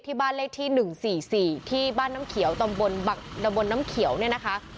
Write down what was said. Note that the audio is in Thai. บ้านเลขที่๑๔๔ที่บ้านน้ำเขียวตำบลน้ำเขียวเนี่ยนะคะ